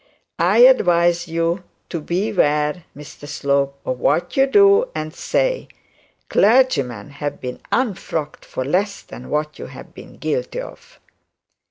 I advise you to beware, Mr Slope, of what you do and say. Clergymen have been unfrocked for less than what you have been guilty of.'